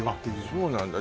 あっそうなんだ